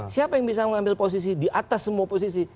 siapa yang bisa mengambil posisi di atas semua posisi